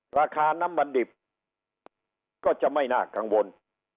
ราคาน้ำมันดิบก็จะไม่น่ากังวล